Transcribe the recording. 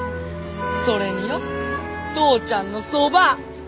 それによ父ちゃんのそば！